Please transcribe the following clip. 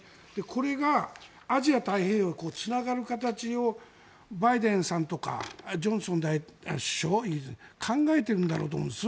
これがアジア太平洋につながる形をバイデンさんとかジョンソン首相考えているんだろうと思うんです。